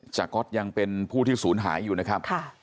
ก๊อตยังเป็นผู้ที่ศูนย์หายอยู่นะครับ